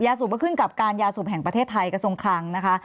สูบก็ขึ้นกับการยาสูบแห่งประเทศไทยกระทรวงคลังนะคะ